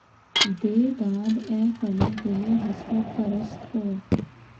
دے داد اے فلک! دلِ حسرت پرست کو